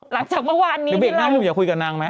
หลังจากเมื่อวานนี้ที่เราเป็นเด็กหน้าพี่หนุ่มอยากคุยกับนางไหม